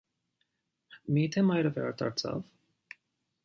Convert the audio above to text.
Մի՞թե մայրը վերադարձավ։